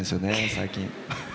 最近。